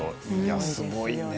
すごいね。